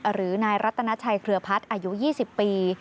หรือนายรัตนาชัยเครือพัฒน์อายุ๒๐ปี